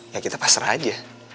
ya kita pasrah aja